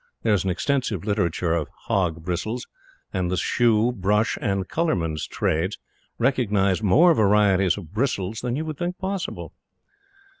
There is an extensive literature of hog bristles, and the shoe, brush, and colorman's trades recognize more varieties of bristles than you would think possible.